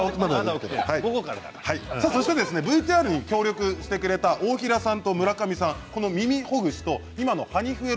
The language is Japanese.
ＶＴＲに協力してくれた大平さんと村上さんはこの「はにふえろ」